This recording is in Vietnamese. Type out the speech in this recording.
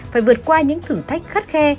phải vượt qua những thử thách khắt khe